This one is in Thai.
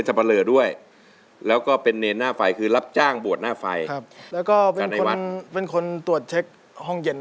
เช็กระดับความเย็น